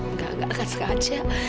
enggak enggak sengaja